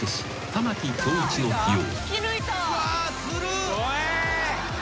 玉置恭一の起用］